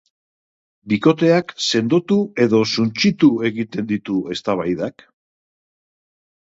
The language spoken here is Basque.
Bikoteak sendotu edo suntsitu egiten ditu eztabaidak?